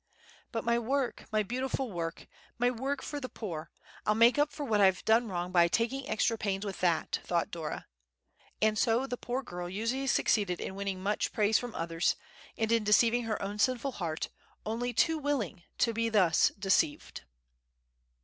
"But my work—my beautiful work—my work for the poor—I'll make up for what I've done wrong by taking extra pains with that!" thought Dora. And so the poor girl usually succeeded in winning much praise from others, and in deceiving her own sinful heart, only too willing to be thus deceived.